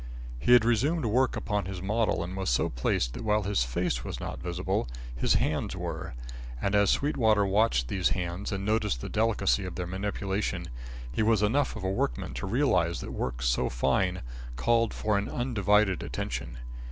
He had resumed work upon his model and was so placed that while his face was not visible, his hands were, and as Sweetwater watched these hands and noticed the delicacy of their manipulation, he was enough of a workman to realise that work so fine called for an undivided attention.